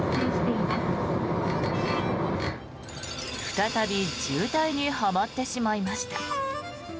再び渋滞にはまってしまいました。